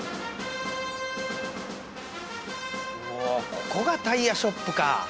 うわここがタイヤショップか。